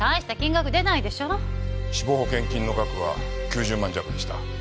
死亡保険金の額は９０万弱でした。